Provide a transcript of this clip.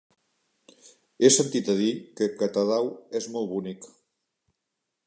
He sentit a dir que Catadau és molt bonic.